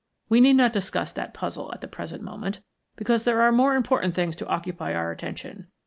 We need not discuss that puzzle at the present moment, because there are more important things to occupy our attention.